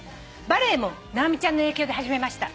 「バレエも直美ちゃんの影響で始めました」